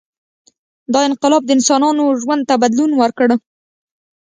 • دا انقلاب د انسانانو ژوند ته بدلون ورکړ.